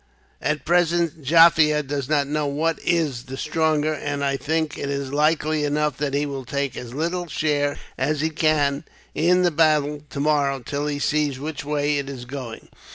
At present, Jaffier does not know what is the stronger; and I think it likely enough that he will take as little share as he can in the battle, tomorrow, till he sees which way it is going.